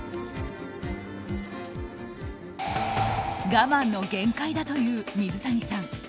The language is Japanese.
我慢の限界だという水谷さん。